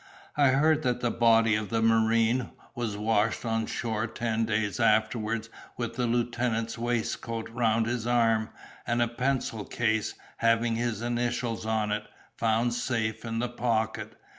I heard that the body of the marine was washed on shore ten days afterwards with the lieutenant's waistcoat round his arm, and a pencil case, having his initials on it, found safe in the pocket.